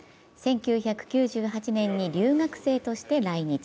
１９９８年に留学生として来日。